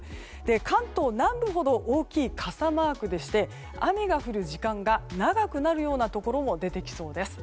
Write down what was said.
関東南部ほど大きい傘マークでして雨が降る時間が長くなるようなところも出てきそうです。